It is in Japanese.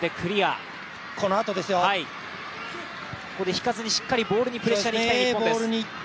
引かずにしっかりボールにプレッシャーにいきたい日本です。